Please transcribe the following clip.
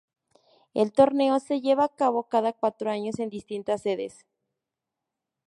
El torneo se lleva a cabo cada cuatro años en distintas sedes.